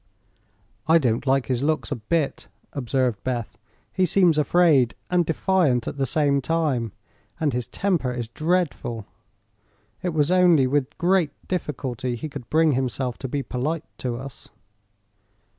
"I don't like his looks a bit," observed Beth. "He seems afraid and defiant at the same time, and his temper is dreadful. It was only with great difficulty he could bring himself to be polite to us."